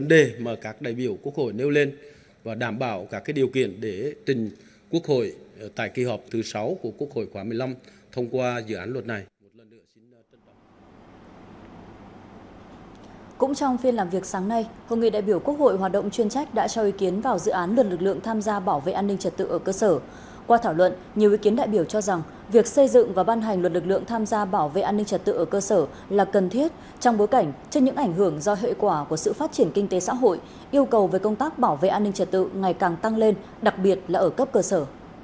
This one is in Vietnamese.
nhiều ý kiến đại biểu cho rằng việc xây dựng và ban hành luật lực lượng tham gia bảo vệ an ninh trật tự ở cơ sở là cần thiết trong bối cảnh trên những ảnh hưởng do hệ quả của sự phát triển kinh tế xã hội yêu cầu về công tác bảo vệ an ninh trật tự ngày càng tăng lên đặc biệt là ở cấp cơ sở